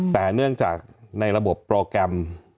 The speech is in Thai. แต่เนื่องจากในระบบโปรแกรม